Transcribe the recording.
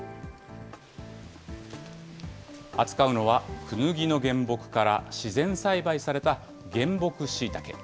扱うのはクヌギの原木から自然栽培された、原木しいたけ。